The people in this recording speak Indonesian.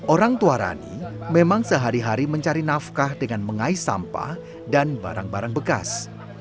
orang tua rani memang sehari hari mencari nafkah dengan mengais sampah dan barang barang bekas